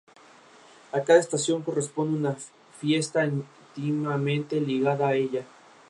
A cada estación corresponde una fiesta íntimamente ligada a ella.